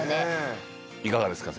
いかがですか？